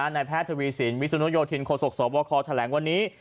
นายแพทย์ทวีสินวิสุนุโยธินโคศกสวบคแถลงวันนี้